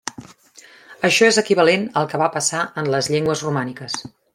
Això és equivalent al que va passar en les llengües romàniques.